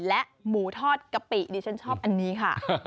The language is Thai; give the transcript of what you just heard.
และหมูทอดกะปิดิฉันชอบอันนี้ค่ะ